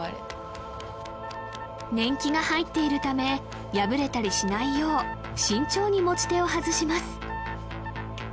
年季が入っているため破れたりしないよう慎重に持ち手を外します